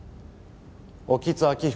興津晃彦